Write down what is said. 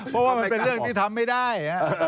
เพราะว่ามันเป็นเรื่องที่ทำไม่ได้